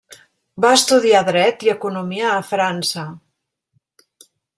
Va estudiar dret i economia a França.